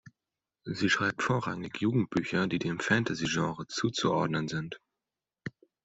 Sie schreibt vorrangig Jugendbücher, die dem Fantasy-Genre zuzuordnen sind.